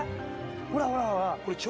ほらほらほら。